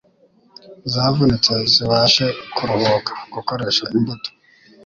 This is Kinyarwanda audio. zavunitse zibashe kuruhuka. Gukoresha imbuto